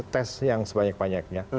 tes yang sebanyak banyaknya